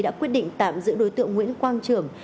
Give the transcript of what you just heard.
đã quyết định tạm giữ đối tượng nguyễn quang trường